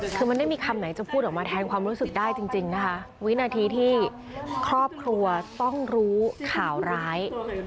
คือมันไม่มีคำไหนจะพูดออกมาแทนความรู้สึกได้จริงนะคะวินาทีที่ครอบครัวต้องรู้ข่าวร้าย